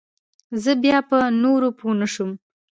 زه بيا په نورو پوه نسوم.